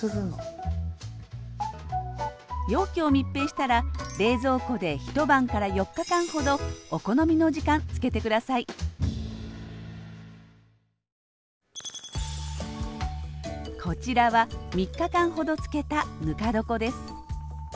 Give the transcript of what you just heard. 容器を密閉したら冷蔵庫で一晩から４日間ほどお好みの時間漬けて下さいこちらは３日間ほど漬けたぬか床です